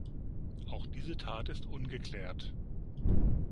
Auch diese Tat ist ungeklärt.